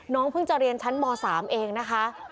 เพิ่งจะเรียนชั้นม๓เองนะคะ